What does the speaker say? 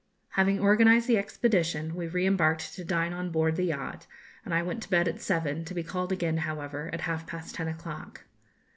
Having organised the expedition we re embarked to dine on board the yacht, and I went to bed at seven, to be called again, however, at half past ten o'clock.